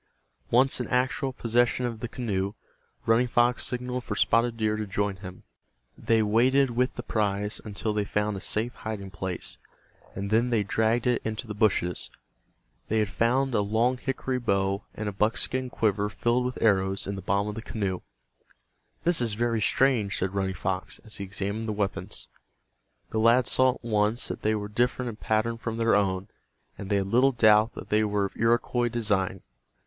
Once in actual possession of the canoe, Running Fox signaled for Spotted Deer to join him. They waded with the prize until they found a safe hiding place, and then they dragged it into the bushes. They had found a long hickory bow and a buckskin quiver filled with arrows in the bottom of the canoe. "This is very strange," said Running Fox, as he examined the weapons. The lads saw at once that they were different in pattern from their own, and they had little doubt that they were of Iroquois design.